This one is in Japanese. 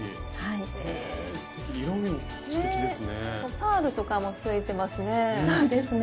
パールとかもついてますね。